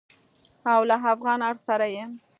او له افغان اړخ سره یې